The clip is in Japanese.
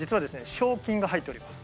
賞金が入っております。